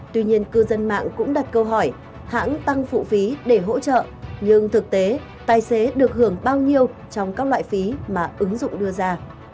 tuy nhiên cư dân mạng cũng đặt câu hỏi hãng tăng phụ phí để hỗ trợ nhưng thực tế tài xế được hưởng bao nhiêu trong các loại phí mà ứng dụng đưa ra